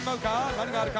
何があるか？